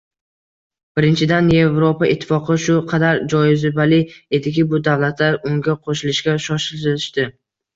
Birinchidan, Evropa Ittifoqi shu qadar jozibali ediki, bu davlatlar unga qo'shilishga shoshilishdi